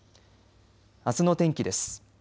あすの天気です。